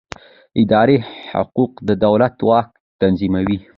اداري حقوق د دولت واک تنظیموي.